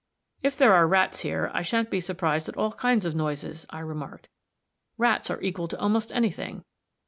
"If there are rats here, I shan't be surprised at all kinds of noises," I remarked. "Rats are equal to almost any thing.